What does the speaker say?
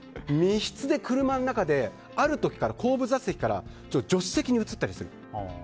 密室で車の中である時から、後部座席から助手席に移ったりする。